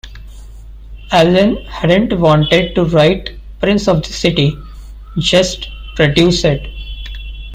Allen hadn't wanted to write "Prince of the City", just produce it.